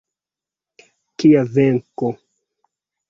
Kia venko.